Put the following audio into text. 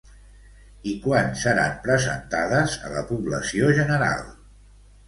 I quan seran presentades a la població general?